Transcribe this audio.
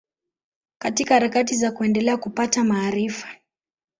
Katika harakati za kuendelea kupata maarifa